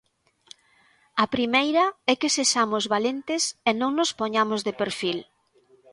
A primeira é que sexamos valentes e non nos poñamos de perfil.